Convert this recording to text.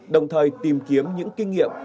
đồng thời tìm kiếm những kinh nghiệm